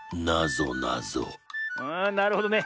あなるほどね。